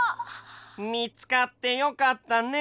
みつかってよかったね。